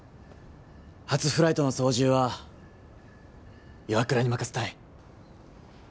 初フライトの操縦は岩倉に任すったい。